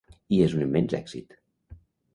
I és un immens èxit.